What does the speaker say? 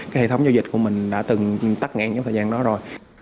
cái hệ thống giao dịch của mình đã từng tắt ngang trong thời gian đó rồi